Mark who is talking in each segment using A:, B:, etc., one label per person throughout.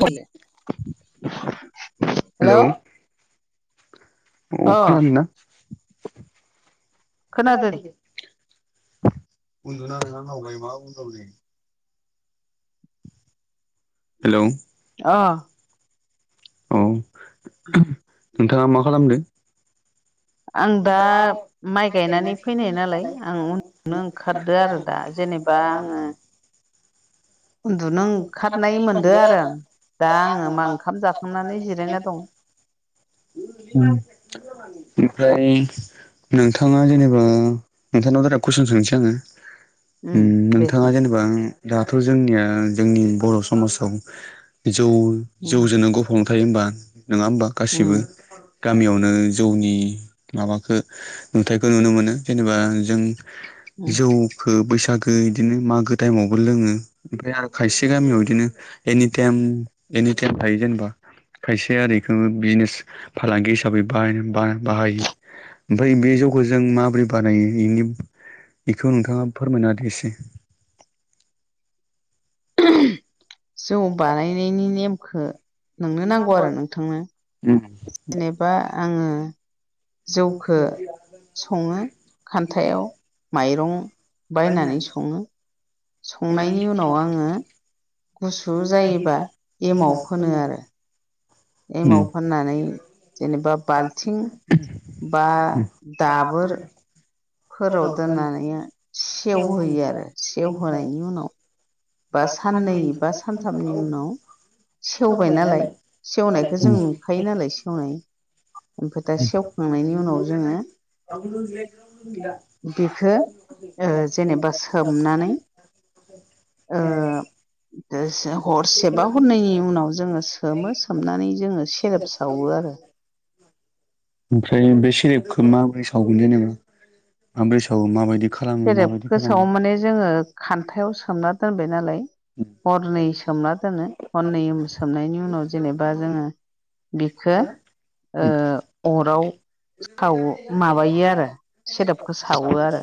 A: [unintelligible] Hello
B: अ खोनादोंना खोनादों दे [unintelligible]
A: हेलौ अ
B: औ नोंथाङा मा खालामदों
A: आं दा माइ गायनानै फैनाय नालाय आं उनदुनो ओंखारदों आरो दा। जेनेबा आङो
B: [unintelligible] खारनाय मोनदों आरो। दा आङो मा [unintelligible] ओंखाम जाखांना जिरायना दं। उम ओमफ्राय नोंथाङा जेनेबा नोंथांनाव दा कुइसन सोंसै आङो। उम नोंथाङा जेनेबा दाथ' जोंनिया जोंनि बर' समाजाव जौ जौजोंनो गफबना थायो होम्बा नङा होमबा गासिबो गामियावनो जौनि माबाखौ नुथायखौ नुनो मोनो जेनेबा जों जौखो बैसागो इदिनो मागो टाइमावबो लोङो। ओमफ्राय आरो खायसे गामियाव बिदिनो एनि टाइम एनिटाइम थायो जेनेबा। खायसे आरो एखौ बिजिनेस फालांगि हिसाबै बाहा- बाहायो। ओमफ्राय बे जौखौ जों माबोरै बानायो बेनि बेखौ नोंथाङा फोरमायना होदो एसे।
A: [unintelligible] [unintelligible] जौ बानायनायनि नेमखो नोंनो नांगौ आरो नोंथांनो? जेनेबा आङो जौखो सङो, खान्थायाव माइरं बायनानै सङो, संनायनि उनाव आङो गुसु जायोबा, एमाव फोनो आरो। एमाव फोननानै जेनेबा बाल्थिं बा दाबोर फोराव दोननानै सेवहोयो आरो। सेवहोनायनि उनाव बा साननै बा सानथामनि उनाव सेवबाय नालाय सेवनायखौ जों नुखायो नालाय सेवनाय। ओमफ्राय दा सेवखांनायनि उनाव जोङो
B: [unintelligible] [unintelligible] [unintelligible]
A: हरसेबा हरैनायनि उनाव जोङो सोमो सोमनानै जोङो सेरेब सावो आरो। [unintelligible]
B: ओमफ्राय बे सेरेपखौ माबोरै सावगोन जेने, माबोरै सावो माबायदि?
A: सेरेफखो साववा माने जोङो खान्थायाव सोमना दोन नालाय, हरनै सोमना दोनङो हरनै सोमनायनि उनाव जेनेबा जोङो बिखो ओ अराव सावो। माबायो आरो सेरेफखौ सावो आरो।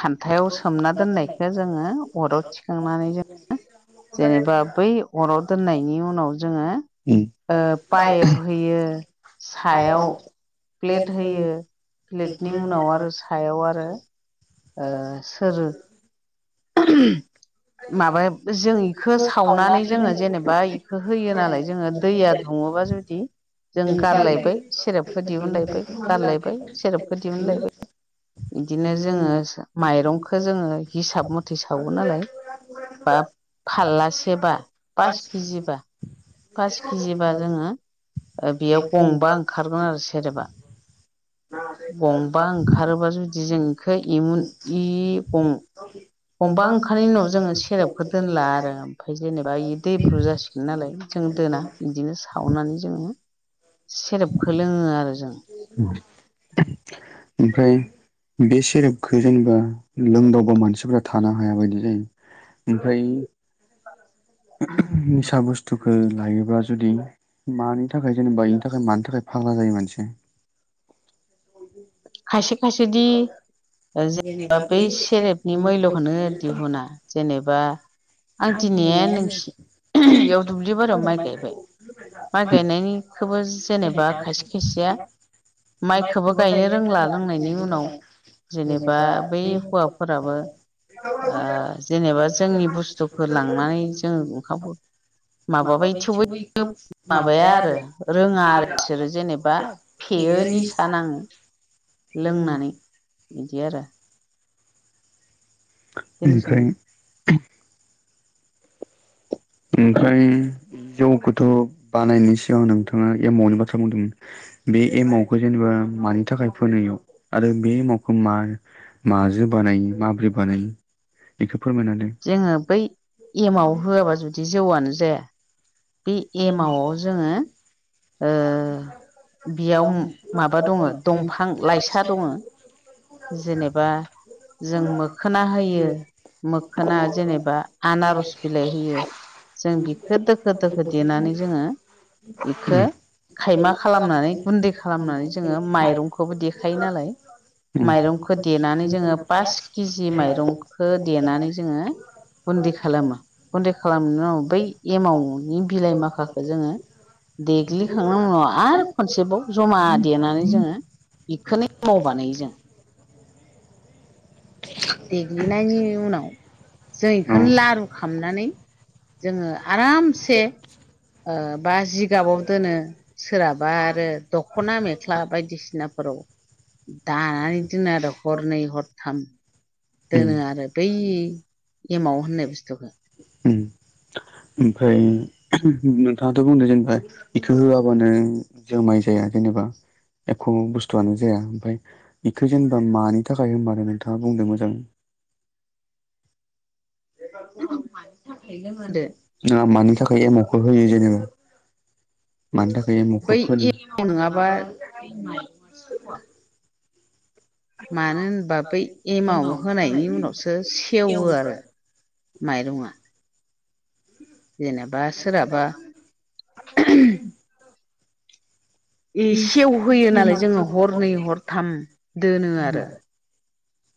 A: खान्थायाव सोमना दोननायखौ जोङो अराव थिखांनानै जोङो जेनेबा बै अराव दोननायनि उनाव जोङो ओ पाइप होयो, सायाव प्लेट होयो, प्लेटनि उनाव आरो सायाव आरो ओ सोरो। माबा जों बेखौ सावनानै जोङो जेनेबा एखो होयो नालाय जोङो दैया दुं नङाबा जुदि जों गारलायबाय सेरेपखौ दिहुनलायबाय गारलायबाय सेरेपखौ दिहुनलायबाय। बिदिनो जोङो माइरंखौ जोङो हिसाब म थे सावो नालाय, बा फारलासेबा पास केजिबा फास केजिबा जोङो बेयाव गंबा ओंखारगोन आरो सेरेबा। गंबा ओंखारोबा जुदि जों इखो इमुन इ गं गंबा ओंखारनायनि उनाव जोङो सेरेपखौ दोनला आरो ओमफ्राय जेनेबा बे दैब्रु जासिगोन नालाय। जों दोना इदिनो सावनानै जोङो सेरेबखौ लोङो आरो जों।
B: ओमफ्राय बे सेरेपखौ जेनेबा लोंदावबा मानसिफोरा थानो हाया बायदि जायो । ओमफाय निसा बस्तुखौ लायोबा जुदि मानि थाखाय जेनेबा इनि थाखाय मानि थाखाय फाग्ला जायो मानसिया
A: खायसे खायसे दि ओ जेनबा बै सेरेबनि मुल्यखौनो दिहुना जेनेबा आंदि ने नों
B: [unintelligible] माइखौबो गायो [unintelligible] [unintelligible]
A: ओं अखाबो माबाबाय थेवबो माबाया आरो रोङा आरो बिसोरो जेनेबा फेयो निसा नाङो लोंनानै बिदि आरो।
B: आमफ्राय ओमफ्राय जौखौथ' बानायनायनि सिगां नोंथाङा एमाउटनि बाथ्रा बुंदोंमोन। बे एम आवखौ जेनेबा मानि थाखाय फोनायाव आरो बे मावखौ मा माजों बानायो माब्रै बानायो? एखौ
A: जोङो बै एमाव होआबा जुदि जौआनो जाया बे एमावआव जोङो
B: [inaudible]
A: बेयाव माबा दङ दंफां लाइसा दङ जेनेबा जों मोखोना होयो। मोखोना जेनेबा आनारस बिलाइ होयो जों बिफोर दोखो
B: [unintelligible]
A: खायमा खालामनानै गुन्दै खालामनानै जोङो माइरंखौबो देखायो नालाय। माइरंखौ देनानै जोङो पास केजि माइरंखौ देनानै जोङो गुन्दै खालामो गुन्दै खालामनाय उ बै एमावनि बिलाइ माखाखौ जोङो देग्लिखांनायनि उनाव आरो खनसेबाव जमा देनानै जोङो बेखौनो मावबानाय जों देग्लिनायनि उनाव जों इखौनो लारु खालामामनानै जोङो आरामसे ओ बा जिगाबाव दोनो सोरहाबा आरो दख'ना मेख्ला बायदिसिना फोराव दानानै दोनो आरो हरनै हरथाम दोनो आरो बै एमाव होननाय बुस्थुखौ
B: ओम ओमफ्राय [unintelligible] नोंथाङाथ' बुंदों जेनेबा बेखौ होआबानो जोमाय जाया जेनेबा एख' बुस्थुआनो जाया ओमफफ्राय बेखौ जेनेबा मानि थाखाय होनबानो नोंथाङा बुंदों मोजां
A: [inaudible]
B: थाखाय मानि थाखायो खौ होयो जेनेबा मानि थाखाय एमावखौ फोनो। [inaudible]
A: मानो होनबा बै एमाव होनायनि उनावसो सेवो आरो। माइरंआ जेनेबा सोरहाबा सेवहोयो नालाय जोङो हरनै हरथाम दोनो आरो।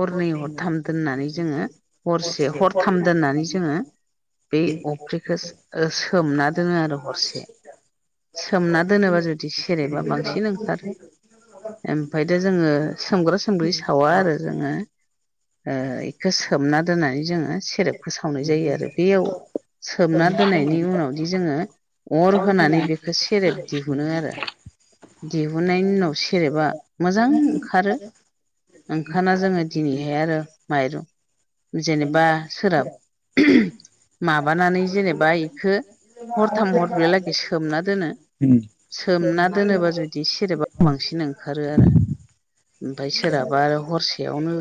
A: हरनै हरथाम दोननानै जोङो हरसे हरथाम दोननानै जोङो बे अफ्रिखौ सोमना दोङो आरो हरसे। सोमना दोनोबा जुदि सेरेबा बांसिन ओंखारो ओमफ्रायथ जोङो सोमग्रा सोमग्रि सावा आरो जोङो। ओ बेखौ सोमना दोन्नानै जोङो सेरेबखौ सावनाय जायो आरो बेयाव सोमना दोननायनि उनावदि जोङो। अर होनानै बेखौ सेरेब दिहुनो आरो। दिहुननायनि उनाव सेरेबा मोजां ओंखारो ओंखार जोङो दिनैहाय आरो माइरं जेनेबा सोराब माबानानै जेनेबा इखौ हरथाम हरबलागै सोमना दोनो। सोमना दोनोबा जुदि सेरेबा बांसिन ओंखारो आरो। ओमफ्राय सोरहाबा आरो हरसेयावनो।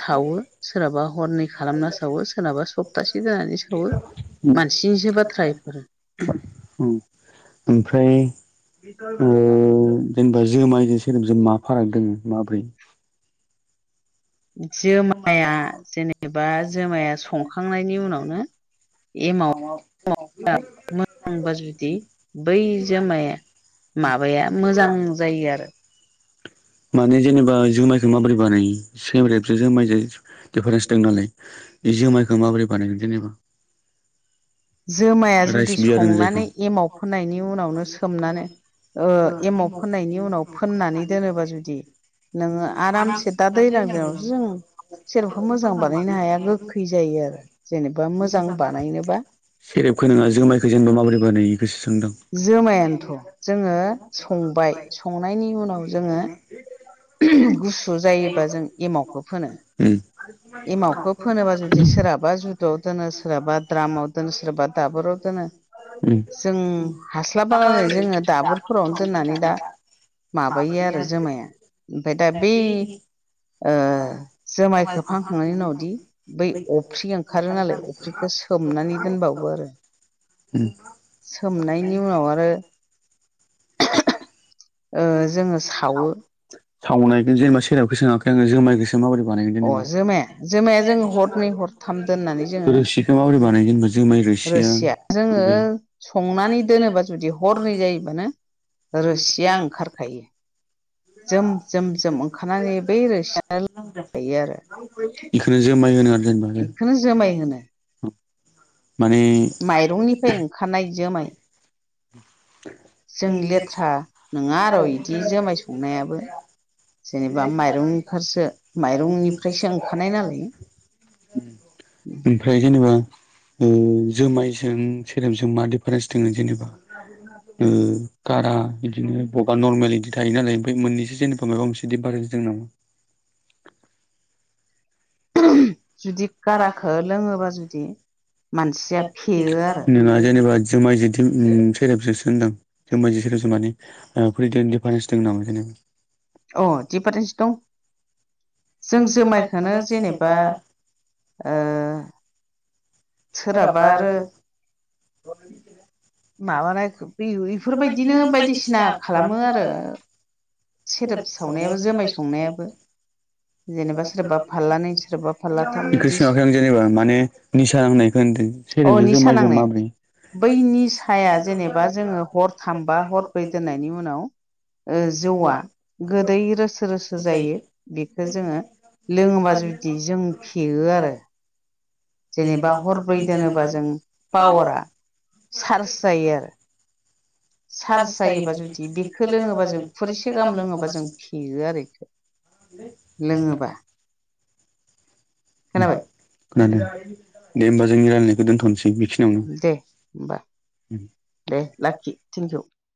A: सावो सोरनाबा हरनै खालामना सावो सोरनाबा सप्तासे दोन्नानै सावो। मानसिनिसो बाथ्रा इफोरो।
B: ओं ओमफ्राय ओ जेनेबा जोमायजों सेरेबजों मा फाराग दोङो माब्रै
A: जोमाया जेनेबा जोमाया संखांनायनि उनावनो
B: [inaudible]
A: माबाया मोजां जायो आरो।
B: माने जेनेबा जुमायखौ माबोरै बानायो सेब्रेट जोमायजों दिडिफारेन्स दं नालाय बे जोमायखौ माबोरै बानायो जेनेबा
A: जोमाया जुदि संनानै एमाव फोनायनायनि उनावनो सोमनानै ओ एमाव फोननायनि उनाव फोननानै दोनोबा जुदि नोङो आरामसे दा दैज्लां दिनावसो जों सेरबखौ मोजां बानायनो हाया गोखै जायो। आरो जेनेबा मोजां बानायनोबा।
B: सेरेबखौ नङा जोमायखौ जेनेबा माबोरै बानायो बेखौसो सों
A: जोमायानोथ जोङो संबाय संनायनि उनाव जोङो गुसु जायोबा जों एमावखौ फोनो। एमावखौ फोनोबा जुदि सोरहाबा जुदआव दोनो सोरहाबा द्रामाव दोनो। सोरबा दाबोराव दोनो जों हास्लाबाबा जोङो दाबोरफोरावनो दोननानै
B: [inaudible]
A: माबायो आरो जोमाया ओमफ्राय दा बै ओ जुमायखो फांख [unintelligible] बै अफ्रि ओंखारो नालाय अफ्रिखौ सोमनानै दोनबा
B: ओम [inaudible] सावनायखौ जेन [unintelligible] माबोरै बानायो जेनेबा रोसिखौ माब्रै बानायो?
A: रोसिया जोङो संनानै दोनोबा जुदि हरनै जायोबानो। रोसिया ओंखारखायो। जोम जोम जोम ओंखारनानै बै रोसियानो लायो आरो।
B: बेखौनो जोमाय होनो आरो जेनेबा जों। माने
A: जों लेथ्रा नङा आरो बिदि जुमाय संनायाबो। जेनेबा माइरंफोरसो माइरंनिफ्रायसो ओंखारनाय नालाय।
B: ओमफ्राय जेनेबा ओ जोमायजों सेरेबजों मा डिफारेन्स दङ जेनेबा? [unintelligible] बिदिनो बबेबा नरमेल इदि थायो नालाय ओमफ्राय मोननैसो जेनेबा माबा मोनसे दिफारेन्स दं नामा?
A: जुदि गाराखौ लोङोबा जुदि
B: नोंङा जेनोबा जोमाय जोथिम ओम सेरेबजोंसो होनदों जोमाय जों सेरेब जों मानि ओ दिडिफारेन्स दं नामा जेनेबा
A: अ दिफारेन्स दं जों जुमायखौनो जेनेबा ओ सोरहाबा आरो
B: [unintelligible]
A: माबानाय बेफोरबायदिनो बायदिसिना खालामो आरो। सेदोब सावनायाबो जोमाय संनायाबो
B: बेखो सोङाखै आं जेनेबा माने निसा नांनाय होनदों सेरेबजों जोम माइ जों माब्रै
A: बै निसाया जेनेबा जोङो हरथामबा हर ब्रै दोननायनि उनाव ओ जो औवा गोदै रोसो रोसो जायो बेखौ जोङो लोङोबा जुदि जों फेयो आरो जेनेबा हरब्रै दोनोबा जों पावारा चार्ज जायो आरो
B: सारस जायोबा जों बेख लोङोबा जों हरसे गाहाम लोङोबा जोंयो फेयो आरो लोङोबा खोनाबाय खोनादों दे होमबा जोंनि रायलायनायखौ दोनथ'नोसै बि
A: दे होनबा दे लाखि थेंकिउ